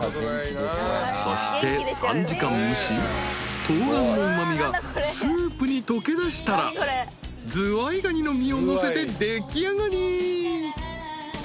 ［そして３時間蒸し冬ガンのうま味がスープに溶けだしたらズワイガニの身をのせて出来上がり］